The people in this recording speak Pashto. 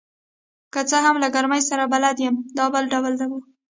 که څه هم له ګرمۍ سره بلد یم، دا بل ډول وه.